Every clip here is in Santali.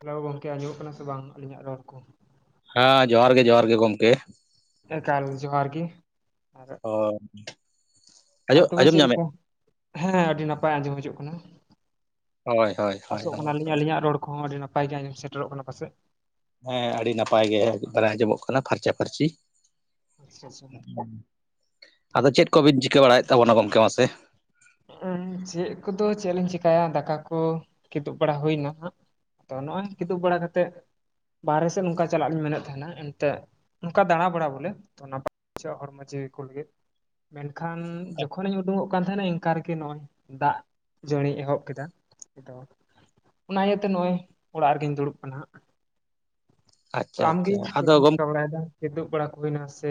ᱦᱮᱞᱳᱣ ᱜᱚᱢᱠᱮ ᱟᱸᱡᱚᱢᱚᱜ ᱠᱟᱱᱟ ᱥᱮ ᱵᱟᱝ ᱟᱹᱞᱤᱧᱟᱜ ᱨᱚᱲ ᱠᱚ ᱾ ᱦᱮᱸ ᱡᱚᱦᱟᱨ ᱜᱮ ᱡᱚᱦᱟᱨ ᱜᱮ ᱜᱚᱢᱠᱮ ᱾ ᱮᱠᱟᱞ ᱡᱚᱦᱟᱨ ᱜᱮ ᱟᱨ ᱚ ᱾ ᱟᱨ ᱛᱚᱵᱮ ᱪᱮᱫ ᱞᱮᱠᱟ ᱦᱮᱸ ᱟᱹᱰᱤ ᱱᱟᱯᱟᱭ ᱟᱸᱡᱚᱢ ᱦᱤᱡᱚᱜ ᱠᱟᱱᱟ ᱦᱳᱭ ᱦᱳᱭ ᱾ ᱦᱳᱭ ᱟᱥᱚᱜ ᱠᱟᱱᱟᱞᱤᱧ ᱟᱹᱞᱤᱧᱟᱜ ᱨᱚᱲ ᱠᱚᱦᱚᱸ ᱟᱹᱰᱤ ᱱᱟᱯᱟᱭ ᱜᱮ ᱟᱸᱡᱚᱢ ᱥᱮᱴᱮᱨᱚᱜ ᱠᱟᱱᱟ ᱯᱟᱥᱮᱡ ᱾ ᱦᱮᱸ ᱟᱹᱰᱤ ᱱᱟᱯᱟᱭ ᱜᱮ ᱮᱠᱵᱟᱨᱮ ᱟᱸᱡᱚᱢᱚᱜ ᱠᱟᱱᱟ ᱯᱷᱟᱨᱪᱟ ᱯᱷᱟᱨᱪᱤ ᱾ ᱟᱪᱪᱷᱟ ᱟᱪᱪᱷᱟ ᱟᱫᱚ ᱪᱮᱫ ᱠᱚᱵᱤᱱ ᱪᱤᱠᱟᱹ ᱵᱟᱲᱟᱭᱮᱫ ᱛᱟᱵᱚᱱᱟ ᱜᱚᱝᱠᱮ ᱢᱟᱥᱮ ᱾ ᱪᱮᱫ ᱠᱚᱫᱚ ᱪᱮᱫ ᱞᱤᱧ ᱪᱤᱠᱟᱭᱟ ᱫᱟᱠᱟ ᱠᱚ ᱠᱤᱫᱩᱵ ᱵᱟᱲᱟ ᱦᱩᱭᱱᱟ ᱦᱟᱸᱜ ᱾ ᱛᱚ ᱱᱚᱜᱼᱚᱭ ᱠᱤᱫᱩᱵ ᱵᱟᱲᱟ ᱠᱟᱛᱮᱫ ᱵᱟᱦᱨᱮ ᱥᱮᱫ ᱱᱚᱝᱠᱟ ᱪᱟᱞᱟᱜ ᱤᱧ ᱢᱮᱱᱮᱫ ᱛᱟᱦᱮᱱᱟ ᱮᱱᱛᱮᱫ ᱾ ᱱᱚᱱᱠᱟ ᱫᱟᱲᱟᱵᱟᱲᱟ ᱵᱚᱞᱮ ᱛᱚ ᱱᱟᱯᱟᱭ ᱢᱟᱪᱷᱟ ᱦᱚᱲᱢᱚ ᱡᱤᱣᱤ ᱠᱚ ᱞᱟᱹᱜᱤᱫ ᱾ ᱢᱮᱱᱠᱷᱟᱱ ᱡᱚᱠᱷᱚᱱᱤᱧ ᱩᱰᱩᱠᱚᱜ ᱠᱟᱱ ᱛᱟᱦᱮᱱᱟᱧ ᱾ ᱚᱠᱟᱨᱜᱮ ᱱᱚᱜᱼᱚᱭ ᱫᱟᱜ ᱡᱟᱹᱲᱤᱭ ᱮᱦᱚᱵ ᱠᱮᱫᱟ ᱾ ᱚᱱᱟ ᱤᱭᱟᱹᱛᱮ ᱱᱚᱜᱚᱭ ᱚᱲᱟᱜ ᱨᱮᱜᱮᱧ ᱫᱩᱲᱩᱵ ᱠᱟᱱᱟ ᱦᱟᱜ ᱛᱚ ᱟᱪᱪᱷᱟ ᱟᱢᱜᱮ ᱟᱪᱪᱷᱟ ᱪᱮᱫ ᱟᱫᱚ ᱠᱚᱢ ᱜᱚᱢᱠᱮ ᱪᱤᱠᱟᱹ ᱵᱟᱲᱟᱭᱫᱟ ᱾ ᱡᱤᱫᱩᱜ ᱵᱟᱲᱟ ᱠᱚ ᱦᱩᱭ ᱱᱟᱥᱮ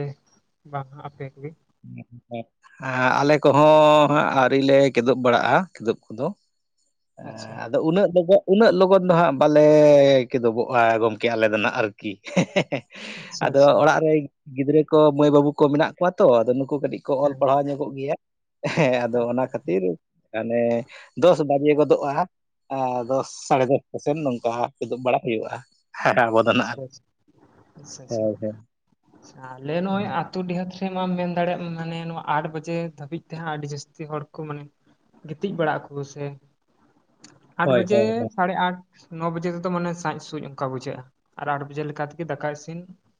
ᱵᱟᱝ ᱟᱯᱮ ᱠᱚᱜᱮ ᱾ [unintelligible] ᱮ ᱟᱞᱮ ᱠᱚᱦᱚᱸ ᱟᱹᱣᱨᱤᱞᱮ ᱠᱮᱫᱩᱵ ᱵᱟᱲᱟᱜᱼᱟ ᱠᱮᱫᱩᱵ ᱠᱚᱫᱚ ᱾ ᱮ ᱟᱪᱪᱷᱟ ᱟᱫᱚ ᱩᱱᱟᱹᱜ ᱫᱚ ᱜᱚ ᱾ ᱩᱱᱟᱹᱜ ᱞᱚᱜᱚᱱ ᱫᱚ ᱦᱟᱸᱜ ᱵᱟᱞᱮ ᱠᱮᱫᱮᱫᱚᱵᱚᱜᱼᱟ ᱜᱚᱢᱠᱮ ᱟᱞᱮ ᱫᱚ ᱱᱟᱦᱟᱜ ᱟᱨᱠᱤ ᱦᱮ ᱦᱮ᱾ ᱟᱪᱪᱷᱟ ᱟᱫᱚ ᱟᱪᱪᱷᱟ ᱚᱲᱟᱜ ᱨᱮ ᱜᱤᱫᱽᱨᱟᱹ ᱠᱚ ᱢᱟᱹᱭ ᱵᱟᱹᱵᱩ ᱠᱚ ᱢᱮᱱᱟᱜ ᱠᱚᱣᱟ ᱛᱚ ᱟᱫᱚ ᱱᱩᱠᱩ ᱠᱟᱹᱴᱤᱡ ᱠᱚ ᱚᱞ ᱦᱮᱸ ᱯᱟᱲᱦᱟᱣ ᱧᱚᱜ ᱜᱮᱭᱟ ᱦᱮᱸ ᱟᱫᱚ ᱟᱪᱪᱷᱟ ᱚᱱᱟ ᱠᱷᱟᱹᱛᱤᱨ ᱢᱟᱱᱮ ᱫᱚᱥ ᱵᱟᱡᱮ ᱜᱚᱫᱚᱜᱼᱟ ᱾ ᱟ ᱫᱚᱥ ᱥᱟᱲᱮ ᱫᱚᱥᱴᱟ ᱥᱮᱫ ᱱᱚᱝᱠᱟ ᱠᱤᱫᱩᱜ ᱵᱟᱲᱟ ᱦᱩᱭᱩᱜᱼᱟ ᱾ ᱟᱪᱪᱷᱟ ᱟᱪᱟ ᱟᱪᱪᱷᱟ ᱦᱳᱭ ᱟᱪᱪᱷᱟ ᱟᱞᱮ ᱱᱚᱜᱼᱚᱭ ᱟᱛᱩ ᱰᱤᱦᱟᱹᱛ ᱴᱷᱮᱡ ᱢᱟᱢ ᱢᱮᱱ ᱫᱟᱲᱮᱭᱟᱜ ᱢᱟᱱᱮ ᱱᱚᱣᱟ ᱟᱴ ᱵᱟᱡᱮ ᱫᱷᱟᱹᱵᱤᱡ ᱛᱮᱦᱟᱸᱜ ᱟᱹᱰᱤ ᱡᱟᱹᱥᱛᱤ ᱦᱚᱲ ᱠᱚ ᱢᱟᱱᱮ ᱜᱤᱛᱤᱡ ᱵᱟᱲᱟᱜ ᱟᱠᱚ ᱥᱮ ᱾ ᱟᱴ ᱦᱳᱭ ᱵᱟᱡᱮ ᱦᱳᱭ ᱥᱟᱲᱮ ᱟᱴ ᱱᱚ ᱵᱟᱡᱮ ᱛᱮᱛᱚ ᱢᱟᱱᱮ ᱥᱟᱡ ᱥᱩᱡ᱾ ᱱᱚᱱᱠᱟ ᱵᱩᱡᱷᱟᱹᱜᱼᱟ ᱟᱨ ᱟᱴ ᱵᱟᱡᱮ ᱞᱮᱠᱟ ᱛᱮᱜᱮ ᱫᱟᱠᱟ ᱤᱥᱤᱱ